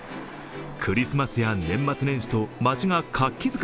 クリスマスや年末年始と街が活気づく